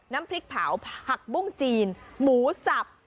น้ำพริกเผาผักบุ้งจีนหมูสับ